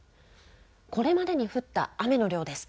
これまでに降った雨の量です。